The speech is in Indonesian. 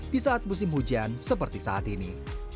di saat musim hujan seperti saat ini